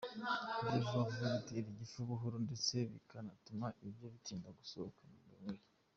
Kurya vuba vuba bitera igifu buhoro ndetse bikanatuma ibiryo bitinda gusohoka mu mubiri.